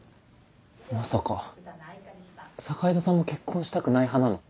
まさか坂井戸さんも結婚したくない派なの？